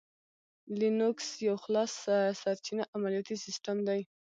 لینوکس یو خلاصسرچینه عملیاتي سیسټم دی.